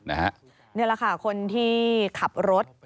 นี่แหละค่ะคนที่ขับรถ